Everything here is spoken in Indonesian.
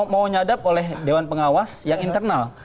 mau nyadap oleh dewan pengawas yang internal